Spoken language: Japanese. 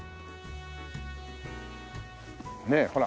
ねえほら。